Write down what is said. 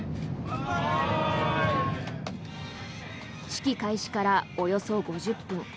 式開始からおよそ５０分。